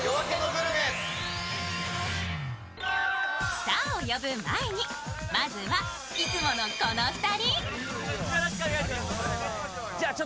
スターを呼ぶ前に、まずは、いつものこの２人。